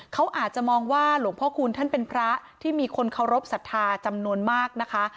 เขาอาจจะมองว่าหลวงพ่อคูณท่านเป็นพระที่มีคนเคารพสัทธาจำนวนมากนะคะ